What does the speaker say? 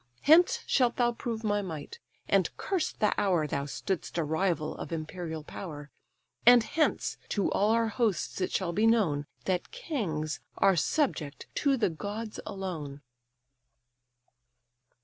Hence shalt thou prove my might, and curse the hour Thou stood'st a rival of imperial power; And hence, to all our hosts it shall be known, That kings are subject to the gods alone."